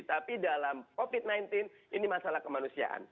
tapi dalam covid sembilan belas ini masalah kemanusiaan